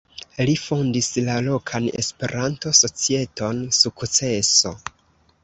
Li fondis la lokan Esperanto-societon "Sukceso".